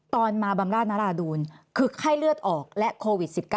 ตอนมาบำราชนราดูลคือไข้เลือดออกและโควิด๑๙